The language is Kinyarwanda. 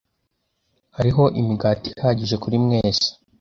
Hariho imigati ihagije kuri mwese.